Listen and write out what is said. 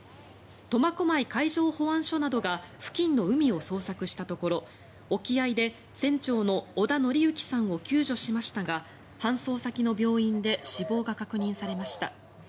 苫小牧海上保安署などが付近の海を捜索したところ沖合で船長の小田紀之さんを救助しましたが搬送先の病院で死亡が確認されました。